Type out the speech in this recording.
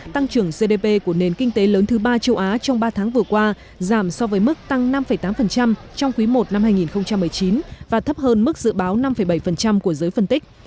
tăng trưởng gdp của nền kinh tế lớn thứ ba châu á trong ba tháng vừa qua giảm so với mức tăng năm tám trong quý i năm hai nghìn một mươi chín và thấp hơn mức dự báo năm bảy của giới phân tích